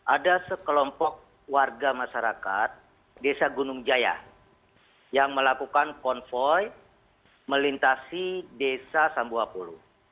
ada sekelompok warga masyarakat desa gunung jaya yang melakukan konvoy melintasi desa sambuapulu